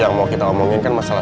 yang mau kita omongin kan masalah